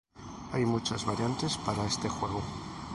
Hay muchas variantes para este juego.